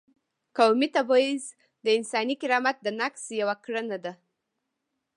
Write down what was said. قومي تبعیض د انساني کرامت د نقض یوه کړنه ده.